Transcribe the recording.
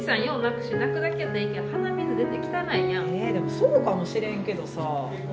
でもそうかもしれんけどさ。